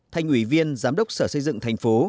thành ủy viên giám đốc sở xây dựng thành phố